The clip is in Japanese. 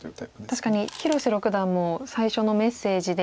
確かに広瀬六段も最初のメッセージで。